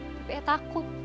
tapi ayah takut